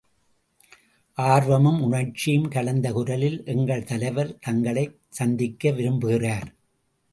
ஆர்வமும் உணர்ச்சியும் கலந்த குரலில், எங்கள் தலைவர், தங்களைச் சந்திக்க விரும்புகிறார்.